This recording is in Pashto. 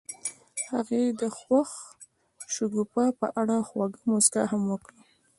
هغې د خوښ شګوفه په اړه خوږه موسکا هم وکړه.